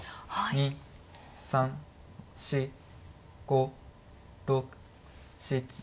１２３４５６７８。